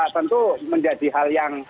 tentu menjadi hal yang